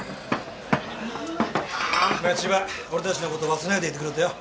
まあ千葉俺たちのこと忘れないでいてくれてよ